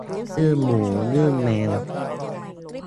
ยื่นหมูยื่นแมว